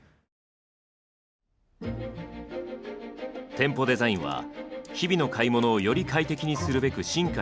店舗デザインは日々の買い物をより快適にするべく進化し続けています。